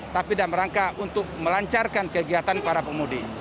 tapi dalam rangka untuk melancarkan kegiatan para pemudi